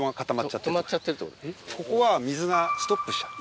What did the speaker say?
ここは水がストップしちゃう。